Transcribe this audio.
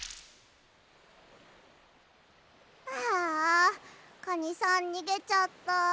ああカニさんにげちゃった。